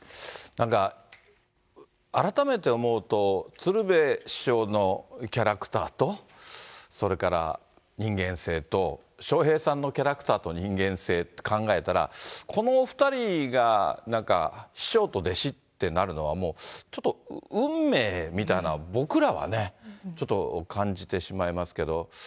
なんか、改めて思うと、鶴瓶師匠のキャラクターと、それから人間性と、笑瓶さんのキャラクターと人間性って考えたら、このお２人がなんか師匠と弟子ってなるのは、もうちょっと運命みたいな、僕らはね、ちょっと感じてしまいますけど。